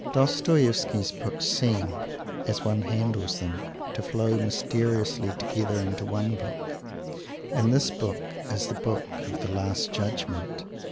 Dostoievsky's books seem, as one handles them, to flow mysteriously together into one book, and this book is the book of the Last Judgment.